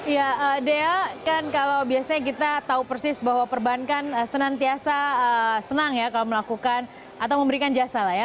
ya dea kan kalau biasanya kita tahu persis bahwa perbankan senantiasa senang ya kalau melakukan atau memberikan jasa lah ya